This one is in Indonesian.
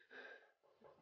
ya rara udah terhapus